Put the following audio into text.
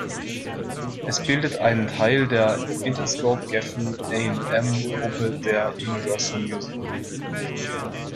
Es bildet einen Teil der Interscope-Geffen-A&M-Gruppe der Universal Music Group.